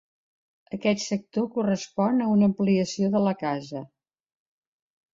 Aquest sector correspon a una ampliació de la casa.